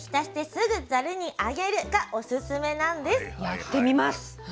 やってみます。